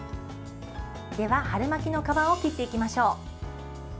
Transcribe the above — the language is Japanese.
では春巻きの皮を切っていきましょう。